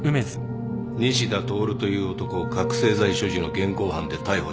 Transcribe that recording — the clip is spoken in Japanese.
西田徹という男を覚醒剤所持の現行犯で逮捕した。